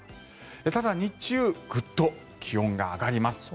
ただ、日中ぐっと気温が上がります。